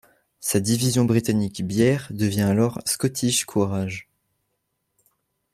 Sa division britannique bière devient alors Scottish Courage.